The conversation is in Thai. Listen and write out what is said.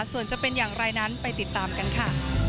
ส่วนจะเป็นอย่างไรนั้นไปติดตามกันค่ะ